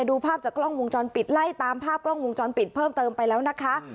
ดูภาพจากกล้องวงจรปิดไล่ตามภาพกล้องวงจรปิดเพิ่มเติมไปแล้วนะคะ